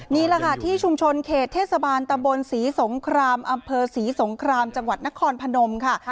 นี่แหละค่ะที่ชุมชนเขตเทศบาลตำบลศรีสงครามอำเภอศรีสงครามจังหวัดนครพนมค่ะ